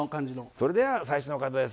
「それでは最初の方です。